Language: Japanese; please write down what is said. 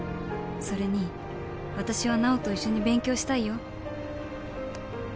「それに私は菜緒と一緒に勉強したいよ」